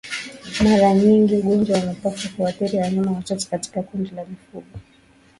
Mara nyingi ugonjwa wa mapafu huathiri wanyama wachache katika kundi la mifugo